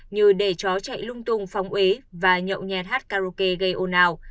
như để chó chạy lung tung phóng ế và nhậu nhẹt karaoke gây ồn ào